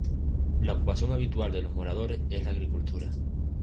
La ocupación habitual de los moradores es la agricultura.